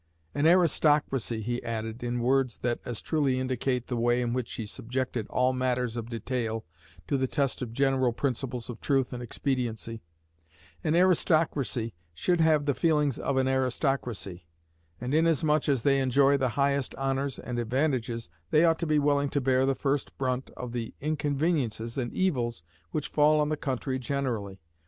"An aristocracy," he added, in words that as truly indicate the way in which he subjected all matters of detail to the test of general principles of truth and expediency, "an aristocracy should have the feelings of an aristocracy; and, inasmuch as they enjoy the highest honors and advantages, they ought to be willing to bear the first brunt of the inconveniences and evils which fall on the country generally.